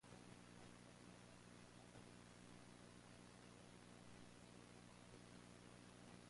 Some whom I personally know felt terrible and -- I saw this happen!